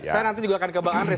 saya nanti juga akan ke pak andres